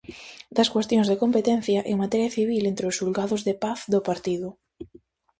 Das cuestións de competencia en materia civil entre os xulgados de paz do partido.